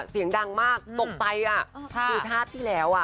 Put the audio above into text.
เสียงดังมากตกใจอ่ะคือชาติที่แล้วอ่ะ